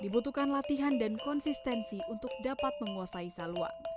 dibutuhkan latihan dan konsistensi untuk dapat menguasai salua